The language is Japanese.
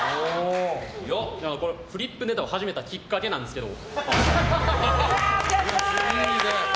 フリップネタを始めたきっかけなんですけど。